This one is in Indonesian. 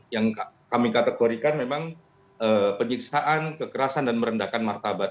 yang kami kategorikan memang penyiksaan kekerasan dan merendahkan martabat